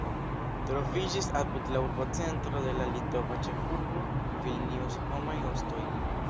Troviĝis apud la urbocentro de la litova ĉefurbo Vilnius homaj ostoj.